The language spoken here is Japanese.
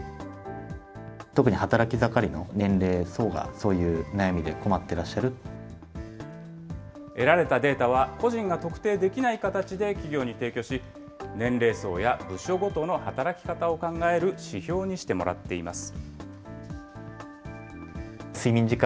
特に働き盛りの年齢層が、得られたデータは、個人が特定できない形で企業に提供し、年齢層や部署ごとの働き方を考える指標にしてもらっています。